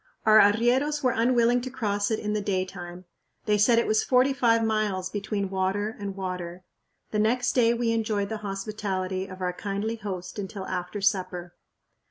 Our arrieros were unwilling to cross it in the daytime. They said it was forty five miles between water and water. The next day we enjoyed the hospitality of our kindly host until after supper.